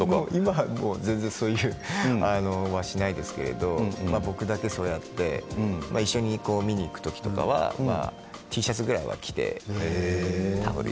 今はこういうのしないですけど僕だけそうやって一緒に見に行くときはＴシャツくらいは着ていますね。